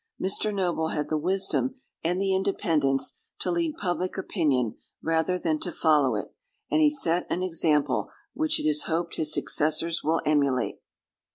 Mr. Noble had the wisdom and the independence to lead public opinion rather than to follow it, and he set an example which it is hoped his successors will emulate.